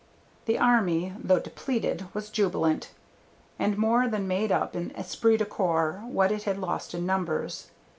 The army, though depleted, was jubilant, and more than made up in esprit du corps what it had lost in numbers.